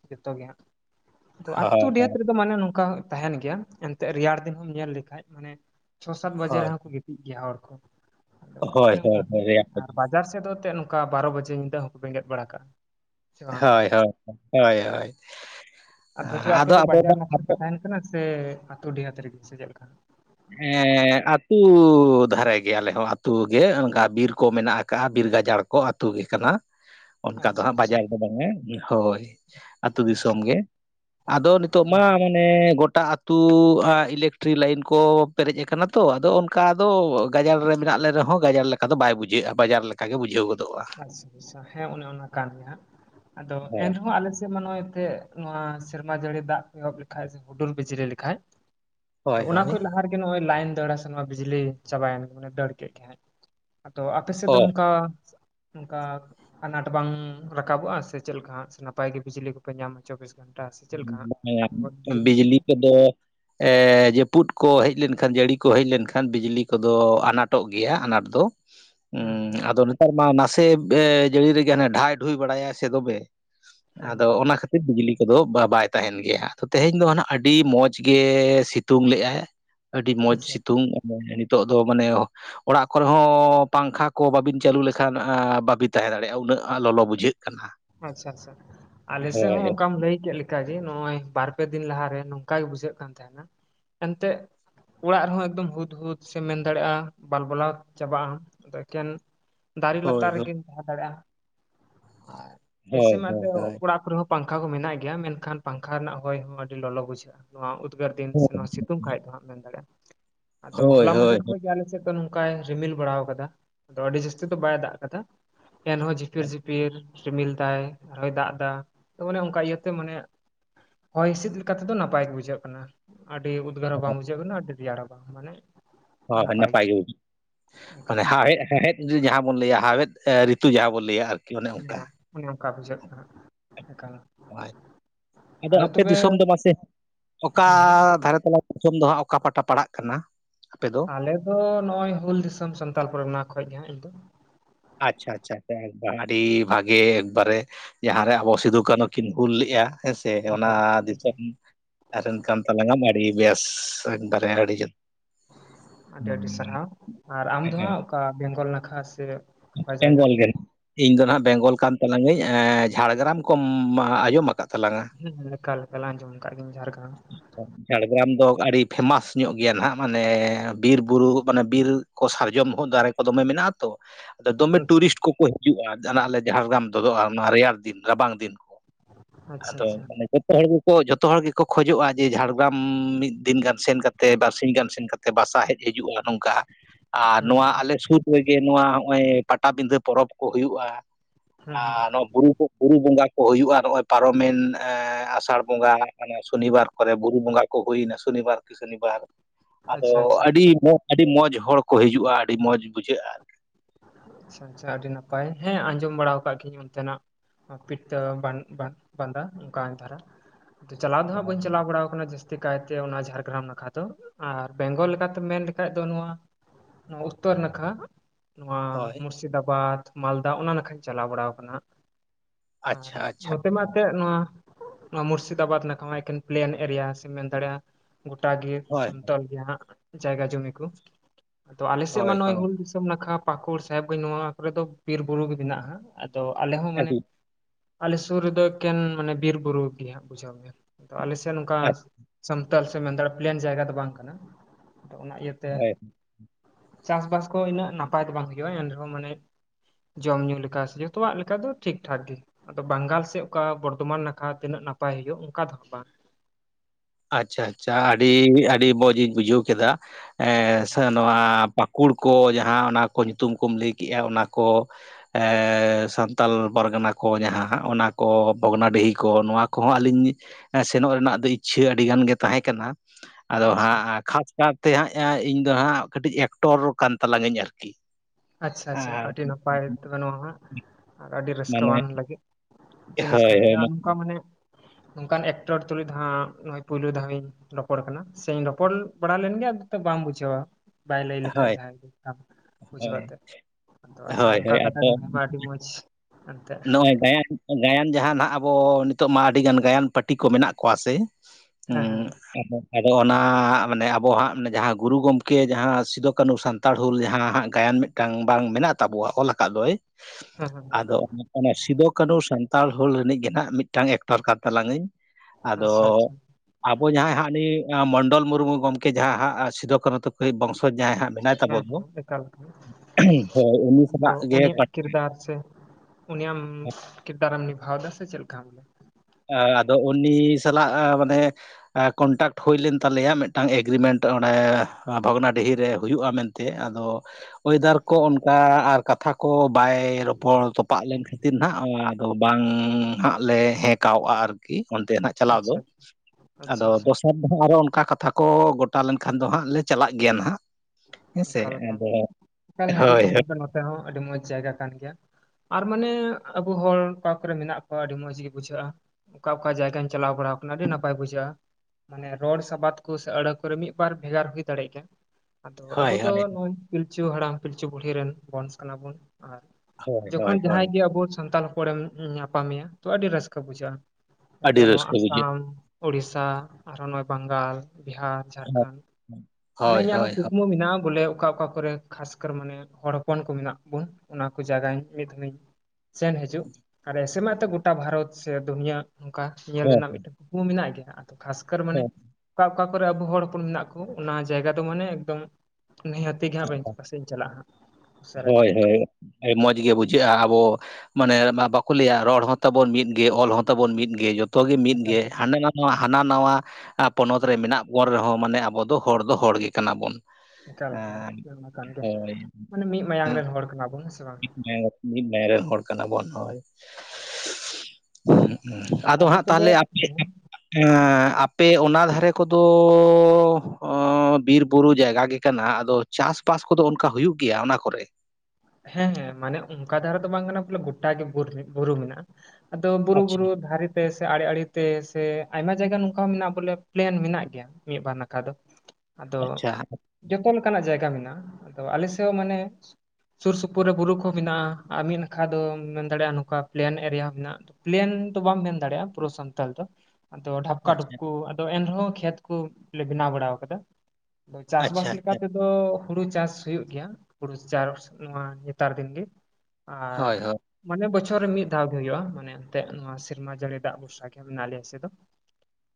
ᱡᱚᱛᱚ ᱜᱮ ᱦᱟᱸᱜ ᱾ ᱛᱚ ᱟᱹᱛᱩ ᱦᱳᱭ ᱰᱤᱦᱟᱛ ᱨᱮᱫᱚ ᱢᱟᱱᱮ ᱱᱚᱝᱠᱟ ᱦᱩᱭᱩᱜ ᱾ ᱛᱟᱦᱮᱱ ᱜᱮᱭᱟ ᱮᱱᱛᱜ ᱨᱮᱭᱟᱲ ᱫᱤᱱ ᱦᱮᱢ ᱧᱮᱞ ᱞᱮᱠᱷᱟᱡ ᱢᱟᱱᱮ ᱪᱷᱚ ᱥᱟᱛ ᱵᱟᱡᱮ ᱦᱳᱭ ᱨᱮᱦᱚᱸ ᱠᱚ ᱜᱤᱛᱤᱡ ᱾ ᱤᱡ ᱜᱮᱭᱟ ᱦᱚᱲ ᱠᱚ ᱟ ᱦᱳᱭ ᱚᱱᱮ ᱦᱳᱭ ᱚᱱᱠᱟᱜ ᱦᱳᱭ ᱦᱳᱭ ᱟᱨ ᱵᱟᱡᱟᱨ ᱥᱮᱫ ᱫᱚ ᱮᱱᱮᱫ ᱱᱚᱝᱠᱟ ᱵᱟᱨᱚ ᱵᱟᱡᱮ ᱧᱤᱫᱟᱹ ᱦᱚᱸᱠᱚ ᱵᱮᱸᱜᱮᱫ ᱵᱟᱲᱟ ᱠᱟᱜᱼᱟ᱾ ᱥᱮ ᱵᱟᱝ ᱦᱳᱭ ᱦᱳᱭ ᱦᱳᱭ ᱦᱳᱭ ᱾ ᱟᱫᱚ ᱛᱚᱵᱮ ᱟᱯᱮ ᱫᱚ ᱵᱟᱡᱟᱨ ᱱᱟᱠᱟᱨ ᱨᱮᱯᱮ ᱛᱟᱦᱮᱱ ᱠᱟᱱᱟ ᱥᱮ ᱟᱹᱛᱩ ᱰᱤᱦᱟᱹᱛ ᱨᱮᱜᱮ ᱥᱮ ᱪᱮᱫ ᱞᱮᱠᱟ? ᱮᱸ ᱟᱹᱛᱩᱳ ᱫᱷᱟᱨᱮ ᱜᱮ ᱟᱞᱮ ᱦᱚᱸ ᱟᱹᱛᱩᱳ ᱜᱮ ᱚᱱᱠᱟ ᱵᱤᱨ ᱠᱚ ᱢᱮᱱᱟᱜ ᱟᱠᱟᱟᱜᱼᱟ ᱵᱤᱨ ᱜᱟᱡᱟᱲ ᱠᱚ᱾ ᱠᱚ ᱟᱹᱛᱩ ᱜᱮ ᱠᱟᱱᱟ᱾ [inaudible] ᱚᱱᱠᱟ ᱫᱚ ᱦᱟᱸᱜ ᱟᱪᱪᱷᱟ ᱵᱟᱡᱟᱨ ᱨᱮ ᱫᱚ ᱵᱟᱝᱟ ᱦᱳᱭ᱾ ᱟᱛᱩ ᱫᱤᱥᱚᱢ ᱟᱪᱪᱷᱟ ᱜᱮ ᱟᱫᱚ ᱱᱤᱛᱚᱜ ᱢᱟ ᱦᱩᱸ ᱮ ᱜᱚᱴᱟ ᱟᱹᱛᱩ ᱟᱜ ᱤᱞᱮᱠᱴᱨᱤᱠ ᱞᱟᱭᱤᱱ ᱠᱚ ᱯᱮᱨᱮᱡ ᱟᱠᱟᱱᱟ ᱛᱚ ᱟᱫᱚ ᱚᱱᱠᱟ ᱫᱚ ᱜᱟᱡᱟᱲ ᱨᱮ ᱢᱮᱱᱟᱜ ᱞᱮ ᱨᱮᱦᱚᱸ ᱜᱟᱡᱟᱲ ᱞᱮᱠᱟ ᱫᱚ ᱵᱟᱭ ᱵᱩᱡᱷᱟᱹᱜᱼᱟ ᱵᱟᱡᱟᱨ ᱞᱮᱠᱟ ᱠᱟᱜᱮ ᱵᱩᱡᱟᱹᱣ ᱜᱚᱫᱚᱼᱟ᱾ ᱟᱪᱪᱷᱟ ᱟᱪᱪᱷᱟ ᱦᱮᱸ ᱚᱱᱮ ᱚᱱᱟ ᱠᱟᱱ ᱜᱮᱭᱟᱦᱟᱜ ᱟᱫᱚ ᱦᱮᱸ ᱮᱱᱨᱮᱦᱚᱸ ᱟᱞᱮᱥᱮᱫ ᱢᱟ ᱱᱚᱜ ᱮᱱᱛᱮᱜ ᱱᱚᱣᱟ ᱥᱮᱨᱢᱟ ᱡᱟᱹᱲᱤ ᱫᱟᱜ ᱮᱦᱚᱵ ᱞᱮᱠᱷᱟᱡ ᱥᱮ ᱦᱩᱰᱩᱨ ᱵᱤᱡᱽᱞᱤ ᱞᱮᱠᱷᱟᱡ ᱛᱚ ᱦᱳᱭ ᱚᱱᱟ ᱦᱳᱭ ᱠᱷᱚᱡ ᱞᱟᱦᱟ ᱨᱮᱜᱮ ᱱᱚᱜᱼᱚᱭ ᱞᱟᱭᱤᱱ ᱫᱟᱹᱲᱟ ᱥᱮ ᱱᱚᱣᱟ ᱵᱤᱡᱽᱞᱤ ᱪᱟᱵᱟᱭᱮᱱ ᱜᱮ ᱢᱟᱱᱮ ᱫᱟᱹᱲ ᱠᱮᱫ ᱜᱮ ᱦᱟᱸᱜ᱾ ᱟᱫᱚ ᱟᱯᱮ ᱥᱮᱫ ᱫᱚ ᱚ ᱱᱚᱝᱠᱟ ᱚᱱᱠᱟ ᱟᱱᱟᱴ ᱵᱟᱝ ᱨᱟᱠᱟᱵᱚᱜᱼᱟ ᱥᱮ ᱪᱮᱫᱞᱮᱠᱟ ᱦᱟᱸᱜ ᱥᱮ ᱱᱟᱯᱟᱭ ᱜᱮ ᱵᱤᱡᱽᱞᱤ ᱯᱮ ᱧᱟᱢᱟ ᱪᱚᱵᱽᱵᱤᱥ ᱜᱷᱚᱱᱴᱟ ᱥᱮ ᱪᱮᱫ ᱞᱮᱠᱟ ᱦᱟᱸᱜ [unintelligible] ᱵᱤᱡᱽᱞᱤ ᱠᱚ? ᱫᱚᱜ᱾ ᱮ ᱡᱟᱹᱯᱩᱫ ᱠᱚ ᱦᱮᱡ ᱞᱮᱱᱠᱷᱟᱱ ᱡᱟᱹᱲᱤ ᱠᱚ ᱦᱮᱡ ᱞᱮᱱᱠᱷᱟᱱ ᱵᱤᱡᱽᱞᱤ ᱠᱚᱫᱚ ᱟᱱᱟᱴᱚᱜ ᱜᱮᱭᱟ ᱟᱱᱟᱴ ᱫᱚ᱾ [inaudible] ᱦᱩᱸ ᱟᱫᱚ ᱱᱮᱛᱟᱨ ᱢᱟ ᱱᱟᱥᱮ ᱵᱮ ᱡᱟᱹᱲᱤ ᱨᱮᱜᱮ ᱦᱟᱱᱮ ᱰᱷᱟᱭᱰᱷᱩᱭ ᱵᱟᱲᱟᱭᱟᱭ-ᱟ ᱥᱮ ᱫᱚᱢᱮ ᱾ ᱦᱩᱸ ᱟᱫᱚ ᱚᱱᱟ ᱠᱷᱟᱹᱛᱤᱨ ᱵᱤᱡᱽᱞᱤ᱾ ᱛᱚᱵᱮ ᱵᱟ ᱵᱟᱭ ᱛᱟᱦᱮᱱ ᱜᱮᱭᱟ ᱛᱚ ᱛᱮᱦᱮᱧ ᱫᱚ ᱱᱟᱦᱟᱜ ᱟᱹᱰᱤ ᱢᱚᱡᱽ ᱜᱮ ᱥᱤᱛᱩᱝ ᱞᱮᱟᱭ᱾ ᱟᱹᱰᱤ ᱢᱚᱸᱡᱽ ᱟᱪᱪᱷᱟ ᱟᱪᱪᱷᱟ ᱥᱤᱛᱩᱝ [unintelligible] ᱱᱤᱛᱚᱜ ᱫᱚ ᱢᱟᱱᱮ᱾ ᱚᱲᱟᱜ ᱠᱚᱨᱮ ᱦᱚᱸ ᱯᱟᱝᱠᱷᱟ ᱠᱚ ᱵᱟᱵᱤᱱ ᱪᱟᱹᱞᱩ ᱞᱮᱠᱷᱟᱱ ᱮ ᱵᱟᱵᱤᱱ ᱛᱟᱦᱮᱸ ᱫᱟᱲᱮᱭᱟᱜᱼᱟ ᱩᱱᱟᱹᱜ ᱞᱚᱞᱚ ᱵᱩᱡᱷᱟᱹᱜ ᱠᱟᱱᱟ ᱾ ᱟᱪᱪᱷᱟ ᱟᱪᱪᱷᱟ ᱟᱞᱮᱥᱮᱫ ᱦᱚᱸ ᱚᱱᱠᱟᱢ ᱞᱟᱹᱭ ᱠᱮᱫ ᱞᱮ ᱠᱟᱡᱮ ᱱᱚᱜᱼᱚᱭ ᱵᱟᱨ ᱯᱮ ᱫᱤᱱ ᱞᱟᱦᱟᱨᱮ ᱱᱚᱝᱠᱟᱜᱮ ᱵᱩᱡᱷᱟᱹᱜ ᱠᱟᱱ ᱛᱟᱦᱮᱱᱟ ᱮᱱᱛᱮᱫ ᱚᱲᱟᱜ ᱨᱮᱦᱚᱸ ᱮᱠᱫᱚᱢ ᱦᱩᱫᱽ ᱦᱩᱫᱽ ᱥᱮᱢ ᱢᱮᱱ ᱫᱟᱲᱮᱭᱟᱜᱼᱟ ᱵᱟᱞᱵᱟᱞᱟᱣ ᱪᱟᱵᱟᱜ ᱟᱢ ᱟᱫᱚ ᱮᱠᱮᱱ ᱫᱟᱨᱤ ᱦᱳᱭ ᱞᱟᱛᱟᱨ ᱦᱳᱭ ᱨᱮᱜᱮᱢ ᱛᱟᱦᱮᱸ ᱫᱟᱲᱮᱭᱟᱜᱼᱟ ᱟᱨ ᱮᱥᱮ ᱦᱳᱭ ᱢᱟᱛᱚ ᱚᱲᱟᱜ ᱠᱚᱨᱮᱦ ᱯᱟᱝᱠᱷᱟ ᱠᱚ ᱢᱮᱱᱟᱜ ᱜᱮᱭᱟ ᱢᱮᱱᱠᱷᱟᱱ ᱯᱟᱝᱠᱷᱟ ᱨᱮᱱᱟᱜ ᱦᱚᱭ ᱦᱚᱸ ᱟᱹᱰᱤ ᱞᱚᱞᱚ ᱵᱩᱡᱷᱟᱹᱜᱼᱟ ᱱᱚᱣᱟ ᱩᱫᱽᱜᱟᱹᱨ ᱫᱤᱱ ᱥᱮ ᱱᱚᱣᱟ ᱥᱤ ᱛᱩᱝ ᱠᱷᱟᱡ ᱫᱚ ᱦᱟᱸᱜ ᱢᱮᱱ ᱫᱟᱲᱮᱭᱟᱜᱼᱟᱢ ᱟᱫᱚ ᱦᱳᱭ ᱦᱳᱭ ᱦᱚᱞᱟ ᱦᱳᱭ ᱢᱟᱦᱫᱮᱨ ᱠᱷᱚᱱ ᱜᱮ ᱟᱞᱮ ᱥᱮᱫ ᱫᱚ ᱱᱚᱝᱠᱟᱭ ᱨᱤᱢᱤᱞ ᱵᱟᱲᱟ ᱟᱠᱟᱫᱟ ᱟᱫᱚ ᱟᱹᱰᱤ ᱡᱟᱹᱥᱛᱤ ᱫᱚ ᱵᱟᱭ ᱫᱟᱜ ᱟᱠᱟᱫᱟ᱾ ᱮᱱᱦᱚᱸ ᱡᱷᱤᱯᱤᱨ ᱡᱷᱤᱯᱤᱨ ᱨᱤᱢᱤᱞ ᱫᱟᱭ ᱟᱨᱦᱚᱸᱭ ᱫᱟᱜ ᱮᱫᱟ ᱛᱚ ᱢᱟᱱᱮ ᱚᱱᱠᱟ ᱤᱭᱟᱹᱛᱮ ᱢᱟᱱᱮ ᱦᱚᱭ ᱦᱤᱸᱥᱤᱫ ᱞᱮᱠᱟᱛᱮᱫᱚ ᱱᱟᱯᱟᱭ ᱜᱮ ᱵᱩᱡᱷᱟᱹᱜ ᱠᱟᱱᱟ ᱟᱹᱰᱤ ᱩᱫᱽᱜᱟᱹᱨ ᱦᱚᱸ ᱵᱟᱝ ᱵᱩᱡᱷᱟᱹᱜ ᱠᱟᱱᱟ ᱟᱹᱰᱤ ᱨᱮᱭᱟᱲ ᱦᱚᱸ ᱵᱟᱝ ᱢᱟᱱᱮ ᱦᱳ ᱱᱟᱯᱟᱭ ᱜᱮ [unintelligible] ᱮᱠᱟᱞ ᱢᱟᱱᱮ ᱦᱟ ᱦᱮᱫ ᱦᱟ ᱦᱮᱫ- ᱡᱩ ᱡᱟᱦᱟᱸ ᱵᱚᱱ ᱞᱟᱹᱭᱟ ᱦᱟᱣᱮᱫ ᱨᱤᱛᱩ ᱡᱟᱦᱟᱸ ᱵᱚᱱ ᱞᱟᱹᱭᱟ ᱟᱨᱠᱤ ᱚᱱᱮ ᱚᱱᱠᱟ ᱦᱮᱸ ᱾ ᱚᱱᱮ ᱚᱱᱠᱟ ᱵᱩᱡᱷᱟᱹᱜ ᱠᱟᱦᱟ ᱠᱟᱱ ᱟᱫᱚ ᱟᱯᱮ ᱫᱤᱥᱚᱢ ᱫᱚ ᱢᱟᱥᱮ ᱚᱠᱟ ᱦᱩᱸ ᱦᱩᱸ ᱫᱷᱟᱨᱮ ᱛᱚᱞᱟ ᱥᱚᱢ ᱫᱚ ᱦᱟᱸᱜ ᱚᱠᱟ ᱯᱟᱴᱟ ᱯᱟᱲᱟᱜ ᱠᱟᱱᱟ ᱟᱯᱮ ᱫᱚ? ᱟᱞᱮ ᱫᱚ ᱱᱚᱜᱼᱚᱭ ᱦᱩᱞ ᱫᱤᱥᱚᱢ ᱥᱟᱱᱛᱟᱞ ᱯᱟᱨᱜᱟᱱᱟ ᱠᱷᱚᱡ ᱜᱮ ᱦᱟᱸᱜ ᱤᱧ ᱫᱚ᱾ ᱟᱪᱪᱷᱟ ᱟᱪᱪᱷᱟ ᱮᱵᱤ ᱵᱷᱟᱜᱮ ᱮᱠᱵᱟᱨᱮ᱾ ᱡᱟᱦᱟᱸ ᱨᱮ ᱟᱵᱚ ᱥᱤᱫᱩ-ᱠᱟᱹᱱᱦᱩ ᱠᱤᱱ ᱦᱩᱞ ᱞᱮᱼᱟ᱾ ᱦᱮᱸᱥᱮ ᱮ ᱚᱱᱠᱟ ᱚᱱᱟ ᱜᱮ ᱫᱤᱥᱚᱢ ᱨᱮᱱ ᱠᱟᱱ ᱛᱟᱞᱟᱝᱟᱢ ᱟᱹᱰᱤ ᱵᱮᱥ᱾ ᱮᱠᱵᱟᱨᱮ ᱟᱹᱰᱤ ᱡᱩᱛ ᱟᱹᱰᱤ ᱟᱹᱰᱤᱟᱹ ᱥᱟᱨᱦᱟᱣ ᱟᱨ ᱟᱢ ᱫᱚ ᱦᱟᱸᱜ ᱠᱟ ᱵᱮᱝᱜᱚᱞ ᱱᱟᱠᱷᱟ ᱥᱮ ᱚᱠᱟ ᱡᱟᱭᱜᱟ ᱵᱮᱱᱜᱳᱞ ᱜᱮ ᱱᱟ [inaudible] ᱤᱧ ᱫᱚ ᱱᱟᱦᱟᱜ ᱵᱮᱝᱜᱚᱞ ᱠᱟᱱ ᱛᱟᱞᱟᱝᱤᱧ ᱮᱻ ᱡᱷᱟᱲᱜᱨᱟᱢ ᱠᱚᱢ ᱟᱸᱡᱚᱢ ᱟᱠᱟᱫ ᱛᱟᱞᱟᱝᱟ? ᱦᱩᱸ ᱦᱩᱸ ᱮᱠᱟᱞ ᱮᱠᱟᱞ ᱟᱡᱚᱢ ᱟᱠᱟᱜ ᱜᱤᱭᱟᱹᱧ ᱡᱷᱟᱨᱜᱨᱟᱢ ᱾ ᱡᱷᱟᱲᱜᱨᱟᱢ ᱫᱚ ᱟᱹᱰᱤ ᱯᱷᱮᱢᱟᱥ ᱧᱚᱜ ᱜᱮᱭᱟ ᱱᱟᱦᱟᱜ ᱢᱟᱱᱮ ᱵᱤᱨᱵᱩᱨᱩ ᱢᱟᱱᱮ ᱵᱤᱨ ᱠᱚ ᱥᱟᱨᱡᱚᱢ ᱦᱚᱸ ᱫᱟᱨᱮ ᱠᱚ ᱫᱚᱢᱮ ᱢᱮᱱᱟᱜᱼᱟ ᱛᱚ, ᱫᱚᱢᱮ ᱟᱪᱪᱷᱟ ᱴᱩᱨᱤᱥᱴ ᱠᱚᱠᱚ ᱦᱤᱡᱩᱜᱼᱟ ᱡᱟᱦᱟ ᱱᱟᱣᱟ ᱟᱞᱮ ᱡᱷᱟᱲᱜᱨᱟᱢ ᱛᱮᱫᱚ ᱟᱨ ᱱᱚᱣᱟ ᱨᱮᱭᱟᱲ ᱫᱤᱱ ᱨᱟᱵᱟᱝ ᱫᱤᱱ, ᱟᱪᱪᱷᱟ ᱟᱫᱚ ᱟᱪᱪᱷᱟ ᱢᱟᱱᱮ ᱡᱚᱛᱚ ᱦᱚᱲ ᱜᱮᱠᱚ ᱡᱷᱚᱛᱚ ᱦᱚᱲ ᱜᱮᱠᱚ ᱠᱷᱚᱡᱚᱜᱼᱟ ᱡᱮ ᱡᱷᱟᱲᱜᱨᱟᱢ ᱢᱤᱫ ᱫᱤᱱ ᱜᱟᱱ ᱥᱮᱱ ᱠᱟᱛᱮ ᱵᱟᱨ ᱥᱤᱧ ᱜᱟᱱ ᱥᱮᱱ ᱠᱟᱛ ᱛᱮ ᱵᱟᱥᱟ ᱦᱮᱡ ᱦᱤᱡᱩᱜᱼᱟ ᱱᱚᱝᱠᱟ ᱾ ᱟᱨ ᱦᱩᱸ ᱱᱚᱣᱟ ᱟᱞᱮ ᱥᱩᱨ ᱨᱮᱜᱮ ᱱᱚᱣᱟ ᱱᱚᱜᱼᱚᱭ ᱯᱟᱴᱟᱵᱤᱫᱟᱹ ᱯᱚᱨᱚᱵᱽ ᱠᱚ ᱦᱩᱭᱩᱜᱼᱟ ᱾ ᱦᱩᱸ ᱦᱩᱸ ᱟᱨ ᱱᱚᱣᱟ ᱵᱩᱨᱩ ᱵᱩᱨᱩ ᱵᱚᱸᱜᱟ ᱠᱚ ᱦᱩᱭᱩᱜᱼᱟ ᱱᱚᱜᱼᱚᱭ ᱯᱟᱨᱚᱢᱮᱱ ᱮᱻ ᱟᱥᱟᱲ ᱵᱚᱸᱜᱟ ᱢᱟᱱᱮ ᱥᱚᱱᱤᱵᱟᱨ᱾ ᱠᱚᱨᱮ ᱵᱩᱨᱩ ᱵᱚᱸᱜᱟᱜ ᱠᱚ ᱦᱩᱭᱱᱟ ᱥᱚᱱᱤᱵᱟᱨ ᱠᱤ ᱥᱚᱱᱤᱵᱟᱨ᱾ ᱟᱫᱚ ᱟᱪᱪᱷᱟ ᱟᱪᱪᱷᱟ ᱟᱹᱰᱤ ᱢᱚᱡᱽ ᱟᱹᱰᱤ ᱢᱚᱡᱽ ᱦᱚᱲ ᱠᱚ ᱦᱤᱡᱩᱜᱼᱟ ᱟᱹᱰᱤ ᱢᱚᱡᱽ ᱵᱩᱡᱷᱟᱹᱜᱼᱟ᱾ ᱟᱪᱪᱷᱟ ᱟᱪᱪᱷᱟ ᱟᱹᱰᱤ ᱱᱟᱯᱟᱭ ᱦᱮᱸ ᱟᱸᱡᱚᱢ ᱵᱟᱲᱟ ᱠᱟᱫ ᱜᱤᱭᱟᱹᱧ ᱚᱱᱛᱮᱱᱟᱜᱼᱼ ᱯᱤᱴᱷᱟᱹ ᱵᱟᱸᱫᱟ ᱚᱱᱠᱟ ᱫᱷᱟᱨᱟ ᱪᱟᱞᱟᱣ ᱫᱚᱦᱟᱸᱜ ᱵᱟᱹᱧ ᱪᱟᱞᱟᱣ ᱵᱟᱲᱟᱣᱼᱼ ᱡᱟᱹᱥᱛᱤ ᱠᱟᱭᱛᱮ ᱚᱱᱟ ᱡᱷᱟᱲᱜᱨᱟᱢ ᱱᱟᱠᱷᱟ ᱫᱚ ᱟᱨ ᱵᱮᱝᱜᱚᱞ ᱞᱮᱠᱟᱛᱮᱢ ᱢᱮᱱ ᱞᱮᱠᱷᱷᱟᱡ ᱫᱚ ᱱᱚᱣᱟᱼᱼ ᱩᱥᱛᱚᱨ ᱱᱟᱠᱷᱟᱼᱼ ᱱᱚᱣᱟ ᱦᱳᱭ ᱢᱩᱨᱥᱤᱫᱟᱵᱟᱫ ᱢᱟᱞᱫᱟ ᱚᱱᱟ ᱞᱮᱠᱷᱟᱧ ᱪᱟᱞᱟᱣ ᱵᱟᱲᱟ ᱟᱠᱟᱱᱟ ᱦᱟᱸᱜ᱾ ᱟᱨ ᱟᱪᱪᱷᱟ ᱟᱪᱪᱷᱟ ᱱᱚᱛᱮ ᱢᱟ ᱮᱱᱛᱮᱫ ᱱᱚᱣᱟᱼᱼ ᱱᱚᱣᱟ ᱢᱩᱨᱥᱤᱫᱟᱵᱟᱫᱽ ᱱᱟᱷᱟ ᱮᱠᱮᱱ ᱯᱞᱮᱱ ᱮᱨᱤᱭᱟ ᱥᱮᱢ ᱢᱮᱱ ᱫᱟᱲᱮᱭᱟᱜᱼᱟ᱾ ᱜᱚᱴᱟ ᱜᱮ ᱦᱳᱭ ᱥᱟᱱᱛᱟᱲ ᱜᱮ ᱦᱟᱸᱜ ᱡᱟᱭᱜᱟ ᱡᱩᱢᱤ ᱠᱩ ᱟᱫᱚ ᱟᱞᱮᱥᱮᱫ ᱢᱟ ᱦᱳᱭ ᱱᱚᱜᱚᱭ ᱦᱳᱭ ᱦᱩᱞᱼᱼ ᱱᱟᱠᱷᱟ ᱯᱟᱹᱠᱩᱲ ᱥᱟᱦᱮᱵᱽᱜᱚᱧ ᱱᱚᱣᱟ ᱠᱚᱨᱮ ᱫᱚ ᱵᱤᱨᱵᱩᱨᱩ ᱜᱮ ᱢᱮᱱᱟᱜᱼᱟ ᱟᱫᱚ ᱟᱞᱮ ᱦᱚᱸ ᱢᱟᱱᱮᱼᱼ ᱟᱹᱰᱤ ᱟᱞᱮ ᱥᱩᱨ ᱨᱮᱫᱚ ᱮᱠᱮᱱ ᱢᱟᱱᱮ ᱵᱤᱨᱵᱩᱨᱩ ᱜᱮ ᱦᱟᱸᱜ ᱵᱩᱡᱷᱟᱹᱣ ᱢᱮ ᱟᱞᱮ ᱥᱮᱫ ᱱᱚᱝᱠᱟᱼᱼ ᱟᱪᱪᱷᱟ ᱴᱟᱞ ᱥᱮ ᱢᱮᱱ ᱫᱟᱲᱮᱼᱟ ᱯᱞᱮᱱ ᱡᱟᱭᱜᱟ ᱫᱚ ᱵᱟᱝ ᱠᱟᱱᱟ ᱚᱱᱟ ᱤᱭᱟᱹᱛᱮᱼᱼ ᱦᱳᱭ ᱪᱟᱥᱵᱟᱥ ᱠᱚ ᱩᱱᱟᱹᱜ ᱱᱟᱯᱟᱭ ᱫᱚ ᱵᱟᱝ ᱦᱩᱭᱩᱜᱼᱟ ᱮᱱ ᱨᱮᱦᱚᱸ ᱢᱟᱱᱮᱼᱼ ᱡᱚᱢ ᱧᱩ ᱞᱮᱠᱟ ᱥᱮ ᱡᱚᱛᱚᱣᱟᱜ ᱞᱮᱠᱟ ᱫᱚ ᱴᱷᱤᱠ ᱴᱷᱟᱠ ᱜᱮ᱾ ᱟᱫᱚ ᱵᱟᱝᱜᱟᱞ ᱥᱮᱫ ᱚᱠᱟ ᱵᱚᱨᱫᱷᱚᱢᱟᱱ ᱱᱟᱠᱷᱟ ᱛᱤᱱᱟᱹᱜ ᱱᱟᱯᱟᱭ ᱦᱩᱭᱩᱜ ᱚᱱᱠᱟ ᱫᱚ ᱵᱟᱝ᱾ ᱟᱪᱪᱷᱟ ᱟᱪᱪᱷᱟ ᱟᱹᱰᱤ ᱟᱹᱰᱤ ᱢᱚᱸᱡ ᱤᱧ ᱵᱩᱡᱷᱟᱹᱣ ᱠᱮᱫᱟ ᱮᱸ ᱥᱟᱱᱼᱼ ᱱᱚᱣᱟ ᱯᱟᱠᱩᱲ ᱠᱚ ᱡᱟᱦᱟᱸ ᱚᱱᱟ ᱠᱚ ᱧᱩᱛᱩᱢ ᱠᱚᱢ ᱞᱟᱹᱭ ᱠᱮᱫᱮᱜᱼᱟ ᱚᱱᱟ ᱠᱚ, ᱮ ᱥᱟᱱᱛᱟᱲ ᱯᱟᱨᱜᱟᱱᱟ ᱠᱚ ᱡᱟᱦᱟᱸ ᱦᱟᱸᱜ ᱚᱱᱟ ᱠᱚ ᱵᱷᱚᱜᱽᱱᱟᱰᱤᱦᱤ ᱠᱚ ᱱᱚᱣᱟ ᱠᱚᱦᱚᱸ ᱟᱹᱞᱤᱧᱼᱼ ᱥᱮᱱᱚᱜ ᱨᱮᱱᱟᱜ ᱫᱚ ᱤᱪᱪᱷᱟᱹ ᱟᱹᱰᱤ ᱜᱟᱱ ᱜᱮ ᱛᱟᱦᱮᱸ ᱠᱟᱱᱟ ᱟᱫᱚ ᱟᱪᱪᱷᱟ ᱦᱟᱸᱜ ᱠᱷᱟᱥ ᱠᱟᱨᱼᱼ ᱛᱮ ᱦᱟᱸᱜ ᱤᱧ ᱫᱚ ᱦᱟᱸᱜ ᱠᱟᱹᱴᱤᱡ ᱮᱠᱴᱚᱨ ᱠᱟᱱ ᱛᱟᱞᱟᱝ ᱟᱹᱧ ᱟᱨᱠᱤ᱾ ᱟᱪᱪᱷᱟ ᱟᱪᱪᱷᱟ ᱟᱨ ᱟᱹᱰᱤ ᱱᱟᱯᱟᱭ ᱵᱟᱹᱱᱩᱜᱼᱟ ᱦᱟᱸᱜ ᱟᱨ ᱟᱹᱰᱤ ᱢᱟᱱᱮ ᱨᱟᱹᱥᱠᱟᱹᱣᱟᱱ ᱞᱟᱹᱜᱤᱫ᱾ ᱡᱤᱱᱤᱥ ᱦᱳᱭ ᱠᱟᱱᱟ ᱦᱳᱭ ᱱᱚᱝᱠᱟ ᱢᱟᱱᱮ ᱱᱚᱝᱠᱟᱱ ᱮᱠᱴᱚᱨ ᱛᱩᱞᱩᱡ ᱫᱚ ᱦᱟᱸᱜ ᱯᱩᱭᱞᱳ ᱫᱷᱟᱹᱣ ᱤᱧᱼᱼ ᱨᱚᱯᱚᱲ ᱠᱟᱱᱟ ᱥᱮᱧ ᱨᱚᱯᱚᱲ ᱵᱟᱲᱟ ᱞᱮᱱᱜᱮᱭᱟ ᱛᱮ ᱵᱟᱢ ᱵᱩᱡᱷᱟᱹᱣᱟ᱾ ᱵᱟᱭ ᱞᱟᱹᱭ ᱞᱮᱠᱷᱟᱡ ᱦᱳᱭ ᱡᱟᱦᱟᱸᱭ᱾ ᱵᱩᱡᱷᱟᱹᱣᱟ ᱮᱱᱛᱮᱫ ᱠᱟᱛᱮ ᱟᱫᱚ ᱟᱪᱪᱷᱟ ᱦᱳᱭ ᱦᱳᱭ ᱱᱚᱝᱠᱟ ᱠᱟᱛᱷᱟ ᱟᱫᱚ ᱠᱟᱱᱟᱢᱟ ᱟᱹᱰᱤ ᱢᱚᱸᱡᱽ᱾ ᱮᱱᱛᱮᱫ ᱱᱚᱜᱼᱚᱭ ᱜᱟᱭᱟᱱ ᱜᱟᱭᱟᱱ ᱡᱟᱦᱟᱸ ᱱᱟᱜ ᱟᱵᱚ ᱱᱤᱛᱚᱜ ᱢᱟ ᱟᱹᱰᱤ ᱜᱟᱱ ᱜᱟᱭᱟᱱ ᱯᱟᱹᱴᱤ ᱠᱚ ᱢᱮᱱᱟᱜ ᱠᱚᱣᱟ ᱥᱮ, ᱦᱮᱸ ᱦᱮᱸ ᱦᱩᱸ ᱟᱫᱚ, ᱟᱫᱚ ᱚᱱᱟ ᱢᱟᱱᱮ ᱟᱵᱚ ᱦᱟᱸᱜ ᱡᱟᱦᱟᱸ ᱜᱩᱨᱩ ᱜᱚᱢᱠᱮ ᱡᱟᱦᱟᱸ ᱥᱤᱫᱩ ᱠᱟᱹᱱᱩ ᱥᱟᱱᱛᱟᱲ ᱦᱩᱞ ᱡᱟᱦᱟᱸ ᱦᱟᱸᱜ ᱜᱟᱭᱟᱱ ᱢᱤᱫᱼᱼ ᱢᱤᱫᱴᱟᱝ ᱵᱟᱝ ᱢᱮᱱᱟᱜ ᱛᱟᱵᱚᱣᱟ ᱚᱞ ᱟᱠᱟᱫ ᱫᱚᱭ ᱦᱮᱸ ᱦᱮᱸ ᱦᱮᱸ ᱟᱫᱚᱼᱼ ᱚᱱᱟ ᱥᱤᱫᱩ ᱠᱟᱹᱱᱩ ᱥᱟᱱᱛᱟᱲ ᱦᱩᱞ ᱨᱤᱱᱤᱡ ᱜᱮ ᱱᱟᱦᱟᱜ ᱢᱤᱫᱴᱟᱝ ᱮᱠᱴᱚᱨ ᱠᱟᱱ ᱛᱟᱞᱟᱝ ᱟᱹᱧ᱾ ᱟᱫᱚᱼᱼ ᱟᱪᱪᱷᱟ ᱟᱪᱪᱷᱟ ᱟᱵᱚ ᱡᱟᱦᱟᱸᱭ ᱦᱟᱸᱜ ᱱᱤ ᱢᱚᱱᱰᱚᱞ ᱢᱩᱨᱢᱩ ᱵᱚᱢᱠᱮ ᱡᱟᱦᱟᱸᱭ ᱦᱟᱸᱜ ᱥᱤᱫᱩ ᱠᱟᱹᱱᱩ ᱛᱚ ᱦᱳᱭ ᱵᱚᱝᱥᱚ ᱡᱟᱦᱟᱸᱭ ᱦᱟᱸᱜ ᱢᱮᱱᱟᱭ ᱦᱮᱸ ᱛᱟᱵᱚᱛ ᱵᱚ ᱦᱮᱸ ᱮᱠᱟᱞ ᱜᱮ᱾ [unintelligible] ᱦᱳᱭ ᱩᱱᱤ ᱟᱫᱚ ᱥᱟᱞᱟᱜ ᱜᱮ ᱩᱱᱤᱭᱟᱜ ᱠᱤᱨᱫᱟᱨ ᱥᱮ ᱩᱱᱤᱭᱟᱢ ᱠᱤᱨᱫᱟᱨᱮᱢ ᱱᱤᱵᱷᱟᱣ ᱫᱟ ᱥᱮ ᱪᱮᱜ ᱞᱮᱠᱟ ᱟᱢᱫᱚ? ᱟ ᱟᱫᱚ ᱩᱱᱤ ᱥᱟᱞᱟᱜ ᱢᱟᱱᱮ ᱟ ᱠᱚᱱᱴᱟᱠᱴ ᱦᱳᱭ ᱞᱮᱱ ᱛᱟᱞᱮᱭᱟ ᱢᱤᱫᱴᱟᱝ ᱮᱜᱽᱨᱤᱢᱮᱱᱴ ᱚᱸᱰᱮ ᱵᱷᱚᱜᱽᱱᱟᱰᱤᱦᱤᱨ ᱨᱮ ᱦᱳᱭᱳᱜᱼᱟ, ᱢᱮᱱ ᱛᱮ ᱟᱫᱚ ᱳᱭᱮᱫᱟᱨ ᱠᱚ ᱚᱱᱠᱟ ᱟᱨ ᱠᱟᱛᱷᱟ ᱠᱚ ᱵᱟᱭ ᱨᱚᱯᱚᱲ ᱛᱚᱯ ᱟᱞᱮ ᱠᱷᱟᱹᱛᱤᱨ ᱱᱟᱦᱟᱜ ᱟᱫᱚ ᱵᱟᱝ ᱦᱟᱸᱜ ᱞᱮ ᱦᱮᱸ ᱠᱚᱜᱼᱟ ᱟᱨᱠᱤ ᱚᱱᱛᱮ ᱱᱟᱦᱱᱟᱜ ᱟᱨᱠᱤ᱾ ᱪᱟᱞᱟᱜ ᱟᱪᱪᱷᱟ ᱫᱚ, ᱟᱪᱪᱷᱟ ᱟᱫᱚ ᱟᱪᱪᱷᱟ ᱟᱪᱪᱷᱟ ᱫᱚᱥᱟᱨ [unintelligible] ᱟᱨᱚ ᱚᱱᱠᱟ ᱠᱟᱛᱷᱟ ᱠᱚ ᱜᱚᱴᱟ ᱞᱮᱱᱠᱷᱟᱱ ᱫᱚ ᱦᱟᱸᱜ ᱞᱮ ᱪᱟᱞᱟᱜ ᱜᱮᱭᱟ ᱱᱟᱦᱟᱜ᱾ ᱦᱮᱸᱥᱮ, ᱮᱠᱟᱞ ᱟᱫᱚ ᱦᱳᱭ ᱦᱳᱭ᱾ ᱛᱮᱦᱚᱸ ᱟᱹᱰᱤ ᱢᱚᱸᱡᱽ ᱡᱟᱭᱜᱟ ᱠᱟᱱ ᱜᱮᱭᱟ᱾ ᱟᱨ ᱢᱟᱱᱮ ᱟᱵᱚ ᱦᱚᱲ ᱚᱠᱟ ᱠᱚᱨᱮ ᱢᱮᱱᱟᱜ ᱠᱚᱣᱟ ᱟᱹᱰᱤ ᱢᱚᱸᱡᱽ ᱜᱮ ᱵᱩᱡᱷᱟᱹᱜᱼᱟ᱾ ᱚᱠᱟ ᱚᱠᱟ ᱡᱟᱭᱜᱟᱧ ᱪᱟᱞᱟᱣ ᱵᱟᱲᱟᱣ ᱠᱟᱱᱟ ᱟᱹᱰᱤ ᱱᱟᱯᱟᱭ ᱵᱩᱡᱷᱟᱹᱜᱼᱟ᱾ ᱢᱟᱱᱮ ᱨᱚᱲ ᱥᱟᱵᱟᱫ ᱠᱚ ᱥᱮ ᱟᱹᱲᱟᱹ ᱠᱚᱨᱮ ᱢᱤᱫᱵᱟᱨ ᱵᱷᱮᱜᱟᱨ ᱦᱩᱭ ᱫᱟᱲᱮᱭᱟᱜ ᱜᱮᱭᱟ᱾ ᱟᱫᱚ ᱦᱳᱭ ᱦᱳᱭ ᱟᱵᱚ ᱫᱚ ᱦᱳᱭ ᱱᱚᱜᱼᱚᱭ ᱯᱤᱞᱪᱩ ᱦᱟᱲᱟᱢ ᱯᱤᱞᱪᱩ ᱵᱩᱲᱦᱤ ᱨᱮᱱ ᱵᱚᱱᱥ ᱠᱟᱱᱟ ᱵᱚᱱ ᱟᱨ ᱦᱳᱭ ᱡᱚᱠᱷᱚᱱ ᱦᱳᱭ ᱦᱳᱭ ᱡᱟᱦᱟᱸᱭ ᱜᱮ ᱟᱵᱚ ᱥᱟᱱᱛᱟᱞ ᱦᱚᱲᱯᱮᱢ ᱧᱟᱯᱟᱢᱮᱭᱟ ᱛᱚ ᱟᱹᱰᱤ ᱨᱟᱹᱥᱠᱟᱹ ᱵᱩᱡᱷᱟᱹᱜᱼᱟ᱾ ᱟᱹᱰᱤ ᱮᱱᱛᱮᱜ ᱱᱚᱣᱟ ᱨᱟᱹᱥᱠᱟᱹ ᱵᱩᱡᱷᱟᱹᱜ ᱟᱥᱟᱢ ᱩᱲᱤᱥᱥᱟ ᱟᱨᱚ ᱱᱚᱜᱼᱚᱭ ᱵᱟᱝᱜᱟᱞ ᱵᱤᱦᱟᱨ ᱦᱳᱭ ᱡᱷᱟᱲᱠᱷᱟᱸᱰ, ᱢᱟᱱᱮ ᱦᱳᱭ ᱤᱧᱟᱹᱜ ᱦᱚᱸ ᱦᱳᱭ ᱦᱳᱭ ᱠᱩᱠᱢᱩ ᱢᱮᱱᱟᱜᱼᱟ ᱵᱚᱞᱮ ᱚᱠᱟ ᱚᱠᱟ ᱠᱚᱨᱮ ᱠᱷᱟᱥᱠᱟᱨ ᱢᱟᱱᱮ ᱦᱚᱲ ᱦᱚᱯᱚᱱ ᱠᱚ ᱢᱮᱱᱟᱜ ᱵᱩᱱ ᱚᱱᱟ ᱠᱚ ᱡᱟᱭᱜᱟᱧ ᱢᱤᱫ ᱫᱷᱟᱢ ᱤᱧ ᱥᱮᱱ ᱦᱤᱡᱩᱜ ᱟᱨ ᱮᱥᱮ ᱢᱟ ᱛᱮ ᱜᱚᱴᱟ ᱵᱷᱟᱨᱚᱛ ᱥᱮ ᱫᱩᱱᱤᱭᱟᱹ ᱚᱱᱠᱟ ᱧᱮᱞ ᱦᱳᱭ ᱨᱮᱱᱟᱜ ᱢᱤᱫᱴᱟᱝ ᱠᱩᱠᱢᱩ ᱢᱮᱱᱟᱜ ᱜᱮᱭᱟ, ᱟᱫᱚ ᱠᱷᱟᱥᱠᱟᱨ ᱢᱟᱱᱮ ᱚᱠᱟ ᱚᱠᱟ ᱠᱚᱨᱮ ᱟᱵᱚ ᱦᱚᱲ ᱦᱚᱯᱚᱱ ᱢᱮᱱᱟᱜ ᱠᱚ ᱚᱱᱟ ᱡᱟᱭᱜᱟ ᱫᱚ ᱢᱟᱱᱮ ᱮᱠᱫᱚᱢ ᱱᱤᱦᱟᱹᱛᱤ ᱜᱮ ᱦᱟᱸᱜ ᱯᱟᱥᱮ ᱤᱧ ᱪᱟᱞᱟᱜᱼᱟ ᱦᱟᱸᱜ ᱩᱥᱟᱹᱨᱟ ᱜᱮ᱾ [unintelligible] ᱢᱚᱡᱽ ᱜᱮ ᱵᱩᱡᱷᱟᱹᱜᱼᱟ ᱟᱵᱚ ᱢᱟᱱᱮ ᱵᱟᱠᱚ ᱞᱟᱹᱭᱟ ᱨᱚᱲ ᱦᱚᱸ ᱛᱟᱵᱚᱱ ᱢᱤᱫᱜᱮ ᱚᱞ ᱦᱚᱸ ᱛᱟᱵᱚᱱ ᱢᱤᱫᱜᱮ ᱡᱚᱛᱚᱜᱤ ᱢᱤᱫᱜᱮ ᱮᱠᱟᱞ ᱦᱟᱸᱱᱮ ᱱᱚᱣᱟ ᱦᱟᱱᱟ ᱱᱟᱣᱭᱟ ᱯᱚᱱᱚᱛ ᱨᱮ ᱢᱮᱱᱟᱜ ᱵᱚᱱ ᱨᱮᱦᱚᱸ ᱢᱟᱱᱮ ᱟᱵᱚ ᱫᱚ ᱦᱚᱲ ᱫᱚ ᱦᱚᱲ ᱜᱮ ᱠᱟᱱᱟ ᱵᱚᱱ᱾ ᱮᱠᱟᱞ ᱮᱠᱟᱞ ᱦᱮᱸ ᱠᱟᱱ ᱜᱮᱭᱟ ᱦᱳᱭ ᱢᱟᱱᱮ ᱢᱤᱫ ᱢᱟᱭᱟᱝ ᱨᱮᱱ ᱦᱚᱲ ᱠᱟᱱᱟ ᱵᱚᱱ ᱦᱮᱸ ᱥᱮ ᱵᱟᱝ ᱢᱤᱫ ᱢᱟᱭᱟᱝ ᱢᱤᱫ ᱢᱟᱭᱟᱝ ᱨᱮᱱ ᱦᱚᱲ ᱠᱟᱱᱟ ᱵᱚᱱ ᱦᱳᱭ [unintelligible] ᱟᱫᱚ ᱦᱟᱸᱜ ᱛᱚᱵᱮ ᱛᱟᱦᱚᱞᱮ ᱟᱯᱮ ᱦᱮᱸ ᱟᱯᱮ ᱚᱱᱟ ᱫᱷᱟᱨᱮ ᱠᱚᱫᱚ ᱚᱸ ᱵᱤᱨ ᱵᱩᱨᱩ ᱡᱟᱭᱜᱟ ᱜᱮ ᱠᱟᱱᱟ ᱟᱫᱚ ᱪᱟᱥᱵᱟᱥ ᱠᱚᱫᱚ ᱚᱱᱠᱟ ᱦᱩᱭᱩᱜ ᱜᱮᱭᱟ ᱚᱱᱟ ᱠᱚᱨᱮ? ᱦᱮᱸ ᱦᱮᱸ ᱢᱟᱱᱮ ᱟᱝᱠᱟ ᱫᱷᱟᱨᱟ ᱫᱚ ᱵᱟᱝ ᱠᱟᱱᱟ ᱵᱚᱞᱮ ᱜᱚᱴᱟ ᱜᱮ ᱵᱩᱨᱩ ᱢᱮᱱᱟᱜᱼᱟ᱾ ᱟᱫᱚ ᱟᱪᱪᱷᱟ ᱵᱩᱨᱩ-ᱵᱩᱨᱩ ᱫᱷᱟᱨᱮ ᱛᱮ ᱥᱮ ᱟᱲᱮ ᱟᱲᱮ ᱛᱮ ᱥᱮ ᱟᱭᱢᱟ ᱡᱟᱭᱜᱟ ᱱᱚᱝᱠᱟ ᱢᱮᱱᱟᱜᱼᱟ ᱵᱚᱞᱮ ᱯᱞᱮᱱ ᱢᱮᱱᱟᱜ ᱜᱮᱭᱟ᱾ ᱢᱤᱫ ᱵᱟᱨ ᱱᱟᱠᱷᱟ ᱫᱚ᱾ ᱟᱫᱚ ᱟᱪᱪᱷᱟ ᱡᱚᱛᱚ ᱞᱮᱠᱟᱱᱟᱜ ᱡᱟᱭᱜᱟ ᱢᱮᱱᱟᱜᱼᱟ ᱟᱫᱚ ᱟᱞᱮ ᱥᱮᱜ ᱦᱚᱸ ᱢᱟᱱᱮ ᱥᱩᱨ ᱥᱩᱯᱩᱨ ᱨᱮ ᱵᱩᱨᱩ ᱠᱚ ᱢᱮᱱᱟᱜᱼᱟ ᱟᱨ ᱢᱤᱫ ᱱᱟᱠᱷᱟ ᱫᱚ ᱢᱮᱱ ᱫᱟᱲᱮᱭᱟᱜᱼᱟ ᱱᱚᱝᱠᱟ ᱯᱞᱮᱱ ᱮᱨᱤᱭᱟ ᱢᱟᱱᱟᱜᱼᱟ᱾ ᱯᱞᱮᱱ ᱛᱚ ᱵᱟᱢ ᱢᱮᱱ ᱫᱟᱲᱮᱭᱟᱜᱼᱟ ᱯᱩᱨᱟᱹ ᱥᱟᱱᱛᱟᱞ ᱫᱚ᱾ ᱟᱫᱚ ᱰᱷᱟᱯᱠᱟ ᱟᱪᱪᱷᱟ ᱰᱷᱩᱚᱯᱠᱩ ᱟᱫᱚ ᱮᱱᱨᱮᱦᱚᱸ ᱠᱷᱮᱛ ᱠᱚᱞᱮ ᱵᱮᱱᱟᱣ ᱵᱟᱲᱟ ᱠᱟᱫᱟ᱾ ᱪᱟᱥᱵᱟᱥ ᱟᱪᱪᱷᱟ ᱟᱪᱪᱷᱟ ᱞᱮᱠᱟᱛᱮᱫᱚ ᱦᱩᱲᱩ ᱪᱟᱥ ᱦᱩᱭᱩᱜ ᱜᱮᱭᱟ ᱦᱩᱲᱩ ᱪᱟᱥ᱾ ᱱᱚᱣᱟ ᱱᱮᱛᱟᱨ ᱫᱤᱱ ᱜᱮ ᱟᱨ ᱦᱳᱭ ᱦᱳᱭ ᱢᱟᱱᱮ ᱵᱚᱪᱷᱚᱨ ᱨᱮ ᱢᱤᱫ ᱫᱷᱟᱣ ᱜᱮ ᱦᱳᱭᱳᱜᱼᱟ ᱢᱟᱱᱮ ᱮᱱᱛᱮ ᱱᱚᱣᱟ ᱥᱮᱨᱢᱟ ᱡᱟᱞᱤ ᱫᱟᱜ ᱵᱷᱚᱨᱥᱟ ᱜᱮ ᱟᱞᱮ ᱥᱮᱜ ᱫᱚ᱾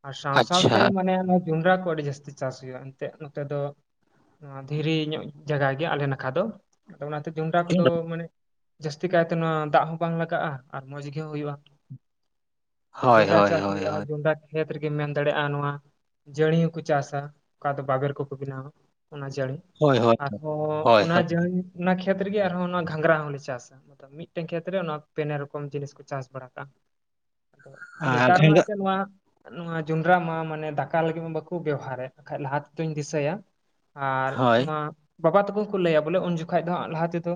ᱟᱨ ᱥᱟᱶ ᱥᱟᱶᱛᱮ ᱢᱟᱱᱮ ᱡᱚᱸᱰᱨᱟ ᱠᱚ ᱟᱹᱰᱤ ᱡᱟᱹᱥᱛᱤ ᱪᱟᱥ ᱦᱩᱭᱩᱜᱼᱟ ᱮᱱᱛᱜ ᱱᱚᱛᱮ ᱫᱚ ᱱᱚᱣᱟ ᱫᱷᱤᱨᱤ ᱧᱚᱜ ᱡᱟᱭᱜᱟ ᱜᱮ ᱟᱞᱮ ᱱᱟᱠᱷᱟ ᱫᱚ ᱟᱫᱚ ᱚᱱᱟᱛᱮ ᱡᱚᱸᱨᱟ ᱠᱚᱫᱚ ᱢᱟᱱᱮ ᱡᱟᱹᱥᱛᱤ ᱠᱟᱭᱛᱮ ᱱᱚᱣᱟ ᱫᱟᱜ ᱦᱚᱸ ᱵᱟᱝ ᱞᱟᱜᱟᱜᱼᱟ ᱟᱨ ᱢᱚᱸᱡᱽ ᱜᱮ ᱦᱳᱭᱳᱜᱼᱟ᱾ ᱡᱚᱸᱰᱨᱟ ᱪᱟᱥ ᱦᱳᱭᱳᱜᱼᱟ ᱡᱚᱸᱰᱨᱟ ᱠᱷᱮᱛ ᱨᱮᱜᱮᱢ ᱢᱮᱱ ᱫᱟᱲᱮᱭᱟᱜᱼᱟ ᱱᱚᱣᱟ ᱡᱟᱹᱲᱤ ᱦᱚᱸᱠᱚ ᱪᱟᱥᱟ ᱚᱠᱟ ᱫᱚ ᱵᱟᱵᱮᱨ ᱠᱚᱠᱚ ᱵᱮᱱᱟᱣᱟ ᱚᱱᱟ ᱡᱟᱹᱲᱤ᱾ ᱟᱨᱦᱚᱸ ᱚᱱᱟ ᱡᱟᱹᱲᱤ ᱚᱱᱟ ᱠᱷᱮᱛ ᱨᱮᱜᱮ ᱟᱨᱦᱚᱸ ᱚᱱᱟ ᱜᱷᱟᱸᱝᱨᱟ ᱦᱚᱸᱞᱮ ᱪᱟᱥᱟ᱾ ᱢᱤᱫᱴᱮᱱ ᱠᱷᱮᱛᱨᱮ ᱚᱱᱟ ᱯᱮᱱᱮ ᱨᱚᱠᱚᱢ ᱡᱤᱱᱤᱥ ᱠᱚ ᱪᱟᱥ ᱵᱟᱲᱟ ᱠᱟᱜᱼᱟ᱾ ᱟᱫᱚ ᱱᱮᱛᱟᱨ ᱢᱟ ᱮᱱᱛᱮᱫ ᱱᱚᱣᱟ ᱱᱚᱣᱟ ᱡᱚᱸᱰᱨᱟ ᱢᱟ ᱢᱟᱱᱮ ᱫᱟᱠᱟ ᱞᱟᱹᱜᱤᱫ ᱢᱟ ᱵᱟᱠᱚ ᱵᱮᱣᱦᱟᱨᱮᱫ ᱵᱟᱠᱷᱟᱡ ᱞᱟᱦᱟ ᱛᱮᱫᱚᱧ ᱫᱤᱥᱟᱹᱭᱟ ᱟᱨ ᱱᱚᱣᱟ ᱵᱟᱵᱟ ᱛᱟᱠᱚ ᱠᱚ ᱞᱟᱹᱭᱟ, ᱵᱚᱞᱮ ᱩᱱ ᱡᱚᱠᱷᱟᱡ ᱫᱚ ᱞᱟᱦᱟ ᱛᱮᱫᱚ᱾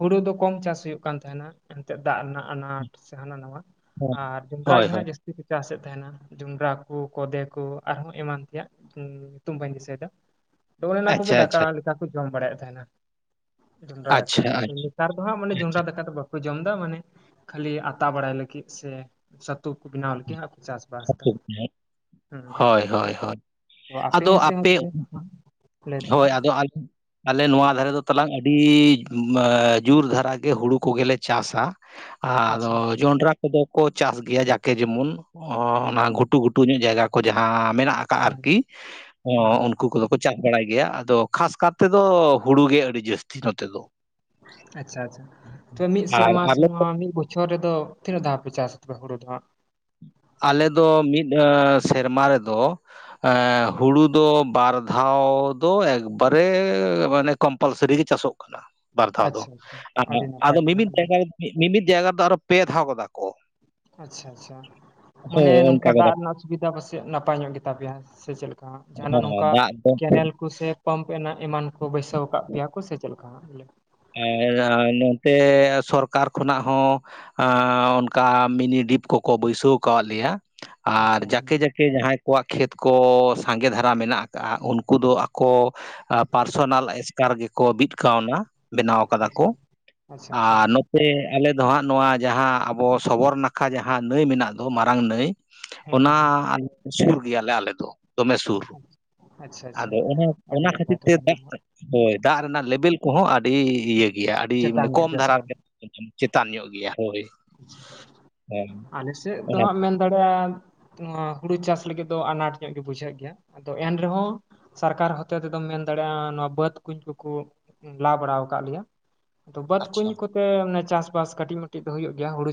ᱦᱩᱲᱩ ᱫᱚ ᱠᱚᱢ ᱪᱟᱥ ᱦᱩᱭᱩᱜ ᱠᱟᱱ ᱛᱟᱦᱮᱱᱟ᱾ ᱮᱱᱛᱮᱜ ᱫᱟᱜ ᱨᱮᱱᱟᱜ ᱟᱱᱟᱴ ᱥᱮ ᱦᱟᱱᱟ ᱱᱟᱣᱟ᱾ ᱟᱨ ᱡᱚᱸᱰᱨᱟ ᱜᱮ ᱦᱟᱸᱜ ᱡᱟᱹᱥᱛᱤ ᱠᱚ ᱪᱟᱥᱮᱫ ᱛᱟᱦᱮᱱᱟ ᱡᱚᱸᱰᱨᱟ ᱠᱚ ᱠᱚᱫᱮ ᱠᱚ ᱟᱨᱦᱚᱸ ᱮᱢᱟᱱ ᱛᱮᱭᱟᱜ᱾ ᱧᱩᱛᱩᱢ ᱵᱟᱹᱧ ᱫᱤᱥᱟᱹᱭᱮᱫᱟ ᱟ ᱚᱱᱮ ᱚᱱᱟ ᱠᱚᱜᱮ ᱟᱪᱪᱷᱟ, ᱫᱟᱠᱟ᱾ ᱟᱪᱪᱷᱟ, ᱞᱮᱠᱟ ᱠᱚ ᱡᱚᱢ ᱵᱟᱲᱟᱭᱮᱫ ᱛᱟᱦᱮᱱᱟ᱾ ᱡᱚᱸᱰᱨᱟ ᱫᱟᱠᱟ ᱟᱪᱪᱷᱟ, ᱱᱮᱛᱟᱨ ᱫᱚ ᱦᱟᱸᱜ ᱢᱟᱱᱮ ᱡᱚᱸᱰᱨᱟ ᱫᱟᱠᱟ ᱫᱚ ᱵᱟ ᱠᱚ ᱡᱚᱢ ᱫᱟ ᱢᱟᱱᱮ ᱠᱷᱟᱹᱞᱤ ᱟᱛᱟ ᱵᱟᱲᱟᱭ ᱞᱟᱹᱜᱤᱫ, ᱥᱮ ᱪᱷᱟᱹᱛᱩ ᱠᱚ ᱵᱮᱱᱟᱣ ᱞᱟᱹᱜᱤᱫ ᱪᱟᱥᱵᱟᱥ ᱟᱪᱪᱷᱟ, ᱫᱟ ᱴᱷᱤᱠ ᱜᱮᱭᱟ. ᱦᱳᱭ ᱦᱳᱭ ᱦᱳᱭ ᱛᱚ ᱟᱫᱚ ᱥᱮᱫ ᱦᱚᱸ ᱟᱯᱮ ᱛᱚᱵᱮ ᱞᱟᱹᱭ ᱛᱟᱞᱟᱝ ᱦᱳᱭ ᱟᱫᱚ ᱟᱞᱮ ᱟᱞᱮ ᱱᱚᱣᱟ ᱫᱷᱟᱨᱮ ᱫᱚ ᱛᱟᱞᱟᱝ ᱟᱹᱰᱤ ᱡᱳᱨ ᱫᱷᱟᱨᱟᱜ ᱜᱮ ᱦᱩᱲᱩ ᱠᱚᱜᱮᱞᱮ ᱪᱟᱥᱟ᱾ ᱢᱮ ᱟᱪᱪᱷᱟ ᱟᱫᱚ ᱡᱚᱱᱰᱨᱟ ᱠᱚᱫᱚ ᱠᱚ ᱪᱟᱥ ᱜᱮᱭᱟ, ᱡᱟᱠᱮ ᱡᱮᱢᱚᱱ᱾ ᱚᱱᱟ ᱜᱷᱩᱴᱩ ᱜᱷᱩᱴᱩ ᱧᱚᱜ ᱡᱟᱭᱜᱟ ᱠᱚ, ᱡᱟᱦᱟᱸ ᱢᱮᱱᱟᱜ ᱟᱠᱟᱫ ᱦᱮᱸ ᱟᱨᱠᱤ ᱚ ᱦᱮᱸ ᱩᱱᱠᱩ ᱠᱚᱫᱚ ᱠᱚ ᱪᱟᱥ ᱵᱟᱲᱟᱭ ᱜᱮᱭᱟ ᱟᱫᱚ ᱠᱷᱟᱥ ᱠᱟᱨ ᱛᱮᱫᱚ ᱦᱩᱲᱩ ᱜᱮ ᱟᱹᱰᱤ ᱡᱟᱹᱥᱛᱤ ᱱᱚᱛᱮ ᱫᱚ᱾ ᱟᱪᱪᱷᱟ ᱟᱪᱪᱷᱟ ᱛᱚᱵ ᱢᱤᱫ ᱟᱨ ᱥᱮᱨᱢᱟ ᱟᱞᱮ ᱥᱮᱢᱟ ᱢᱤᱫ ᱵᱚᱪᱷᱚᱨ ᱪᱷᱚᱨ ᱨᱮ ᱫᱚ ᱛᱤᱱᱟᱹᱜ? ᱫᱷᱟᱣ ᱯᱮ ᱪᱟᱥ ᱟᱯᱮ ᱦᱩᱲᱩ ᱫᱚ ᱦᱟᱸᱜ᱾ ᱟᱞᱮᱫᱚ ᱢᱤᱫ ᱥᱮᱨᱢᱟ ᱨᱮᱫᱚ᱾ ᱦᱩᱲᱩ ᱫᱚ ᱵᱟᱨ ᱫᱷᱟᱣ ᱫᱚ ᱮᱠᱵᱟᱨᱮ ᱢᱟᱱᱮ ᱠᱚᱢᱯᱟᱞᱥᱟᱨᱤ ᱜᱮ ᱪᱟᱥᱚᱜ ᱵᱟᱨ ᱫᱷᱟᱣ ᱫᱚ ᱟᱪᱪᱷᱟ ᱟᱪᱪᱷᱟ ᱟᱹᱰᱤ ᱱᱟᱯᱟᱭ ᱟᱫᱚ ᱛᱚᱵᱮ᱾ ᱢᱤᱢᱤᱫ ᱡᱟᱭᱜᱟ ᱨᱮ ᱢᱤᱢᱤᱫ ᱡᱟᱭᱜᱟ ᱫᱚ ᱟᱨᱚ ᱯᱮ ᱫᱷᱟᱣ ᱜᱚᱫᱟ ᱠᱚ᱾ ᱟᱪᱪᱷᱟ ᱟᱪᱪᱷᱟ ᱢᱟᱱᱮ ᱦᱳᱭ ᱚᱱᱠᱟ ᱱᱚᱝᱠᱟ ᱜᱚᱫᱟ ᱫᱟᱜ ᱠᱚ ᱨᱮᱱᱟᱜ ᱥᱩᱵᱤᱫᱟ ᱯᱟᱥᱮᱡ ᱱᱟᱯᱟᱭ ᱧᱚᱜ ᱜᱮᱛᱟ ᱯᱮᱭᱟ, ᱥᱮ ᱪᱮᱫ ᱞᱮᱠᱟ ᱡᱟᱦᱟᱱᱟᱜ ᱦᱚᱸ ᱱᱚᱝᱠᱟ ᱫᱟᱜ ᱫᱚ ᱠᱮᱱᱮᱞ ᱠᱩ ᱥᱮ ᱯᱟᱢ ᱮᱱᱟ ᱮᱢᱟᱱ ᱠᱚ ᱵᱟᱹᱭᱥᱟᱹᱣ ᱠᱟᱫ ᱯᱮᱭᱟ ᱠᱚ ᱥᱮ ᱪᱮᱫ ᱞᱮᱠᱟ ᱦᱟᱜ [unintelligible] ᱤᱱᱟᱛᱮ ᱥᱚᱨᱠᱟᱨ ᱠᱷᱚᱱᱟᱜ ᱦᱚᱸ ᱟᱻ ᱚᱱᱠᱟ ᱢᱤᱱᱤ ᱰᱤᱯ ᱠᱚᱠᱚ ᱵᱟᱹᱭᱥᱟᱹᱣ ᱠᱟᱫ ᱞᱮᱭᱟ᱾ ᱟᱨ ᱟᱪᱪᱷᱟ ᱦᱮᱸ ᱡᱟᱠᱮ ᱡᱟᱠᱮ ᱡᱟᱦᱟᱸᱭ ᱠᱚᱣᱟᱜ ᱠᱷᱮᱛ ᱠᱚ, ᱥᱟᱸᱜᱮ ᱫᱷᱟᱨᱟ ᱢᱮᱱᱟᱜ ᱟᱠᱟᱫᱼᱟ ᱩᱱᱠᱩ ᱫᱚ ᱠᱚ ᱯᱟᱨᱥᱚᱱᱟᱞ ᱮᱥᱠᱟᱨ ᱜᱮᱠᱚ ᱵᱤᱫ ᱠᱟᱣᱱᱟ᱾ ᱵᱮᱱᱟᱣ ᱟᱠᱟᱫᱟ ᱠᱚ ᱟᱪᱪᱷᱟ [inaudible] ᱟᱪᱪᱷᱟ ᱟᱪᱪᱷᱟ ᱟᱨ ᱟᱞᱮᱚ ᱦᱟᱸᱜ ᱱᱚᱣᱟ ᱡᱟᱦᱟᱸ ᱟᱵᱚ ᱥᱚᱵᱚᱨ ᱱᱟᱠᱷᱟ ᱡᱟᱦᱟᱸ ᱱᱟᱹᱭ ᱢᱮᱱᱟᱜ ᱫᱚ᱾ ᱢᱟᱨᱟᱝ ᱱᱟᱹᱭ᱾ ᱦᱮᱸ ᱦᱮᱸ ᱚᱱᱟᱮ ᱥᱩᱨ ᱜᱮᱭᱟᱞᱮ ᱟᱞᱮ ᱫᱚ ᱫᱚᱢᱮ ᱥᱩᱨ᱾ ᱟᱪᱪᱷᱟ ᱟᱪᱪᱷᱟ ᱟᱫᱚ ᱚᱱᱟ ᱟᱹᱰᱤ ᱚᱱᱟ ᱱᱟᱯᱟᱭ ᱠᱷᱟᱹᱛᱤᱨ ᱛᱮ ᱛᱚᱵᱮ ᱫᱟᱜ ᱱᱚᱣᱟ ᱦᱳᱭ ᱫᱟᱜ ᱨᱮᱱᱟᱜ ᱞᱮᱵᱮᱞ ᱠᱚᱦᱚᱸ ᱟᱹᱰᱤ ᱤᱭᱟᱹ ᱜᱮ ᱜᱮᱭᱟ ᱟᱹᱰᱤ ᱪᱮᱛᱟᱱ ᱧᱚᱜ ᱠᱚᱢ ᱜᱮᱭᱟ ᱥᱮ ᱫᱷᱟᱨᱟ ᱵᱟᱝ ᱨᱮ ᱪᱮᱛᱟᱱ ᱧᱚᱜ ᱜᱮᱭᱟ ᱦᱳᱭ᱾ ᱦᱮᱸ [inaudible] ᱟᱞᱮ ᱥᱮᱫ ᱫᱚ ᱚᱱᱟ ᱦᱟᱜ ᱢᱮᱱ ᱫᱟᱲᱮᱭᱟᱜᱼᱟ᱾ ᱱᱚᱣᱟ ᱦᱩᱲᱩ ᱪᱟᱥ ᱞᱟᱹᱜᱤᱫ ᱫᱚ ᱟᱱᱟᱴ ᱧᱚᱜ ᱜᱮ ᱵᱩᱡᱷᱟᱹᱜ ᱜᱮᱭᱟ ᱟᱫᱚ ᱮᱱᱨᱮᱦᱚᱸ ᱥᱚᱨᱠᱟᱨ ᱦᱚᱛᱮ ᱛᱮᱫᱚᱢ ᱢᱮᱱ ᱫᱟᱲᱮᱭᱟᱜᱼᱟ᱾ ᱱᱚᱣᱟ ᱵᱟᱹᱫ ᱠᱩᱧ ᱠᱚᱠᱚ ᱞᱟ ᱵᱟᱲᱟ ᱟᱠᱟᱫ ᱞᱮᱭᱟ᱾ ᱛᱚ ᱵᱟᱹᱫ ᱟᱪᱪᱷᱟ ᱠᱩᱧ ᱠᱚᱛᱮ ᱪᱟᱥ ᱵᱟᱥ ᱠᱟᱹᱴᱤᱡ ᱢᱟᱹᱤᱡ ᱫᱚ ᱦᱩᱭᱩᱜ ᱜᱮᱭᱟ ᱦᱩᱲᱩ